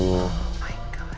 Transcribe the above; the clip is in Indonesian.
oh ya tuhan